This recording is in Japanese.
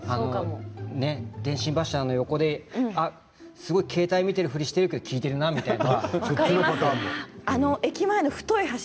電信柱の横ですごく携帯見ているふりをしているけど聴いてるなみたいな。